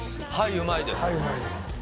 うまいです